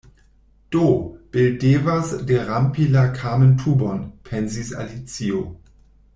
“Do, Bil devas derampi la kamentubon,” pensis Alicio.